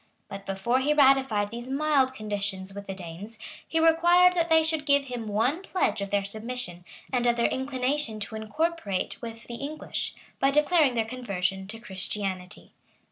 But before he ratified these mild conditions with the Danes, he required that they should give him one pledge of their submission, and of their inclination to incorporate with the English, by declaring their conversion to Christianity.